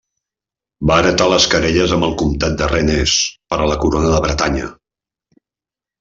Va heretar les querelles amb el comtat de Rennes per a la corona de Bretanya.